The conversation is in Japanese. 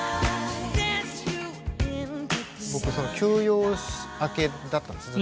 僕その休養明けだったんですね。